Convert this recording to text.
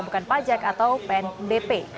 bukan pajak atau pnbp